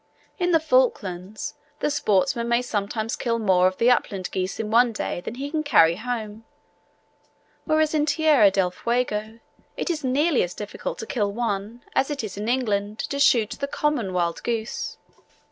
In the Falklands, the sportsman may sometimes kill more of the upland geese in one day than he can carry home; whereas in Tierra del Fuego it is nearly as difficult to kill one, as it is in England to shoot the common wild goose.